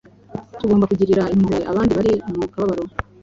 tugomba kugirira impuhwe abandi bari mu kababaro,